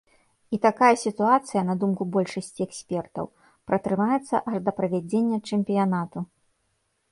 І такая сітуацыя, на думку большасці экспертаў, пратрымаецца аж да правядзення чэмпіянату.